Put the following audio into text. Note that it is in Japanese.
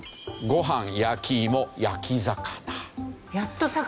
ごはん焼きいも焼き魚。